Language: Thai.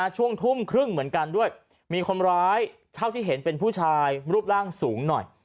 ช่วงทุ่มครึ่งเหมือนกันด้วยมีคนร้ายเท่าที่เห็นเป็นผู้ชายรูปร่างสูงหน่อย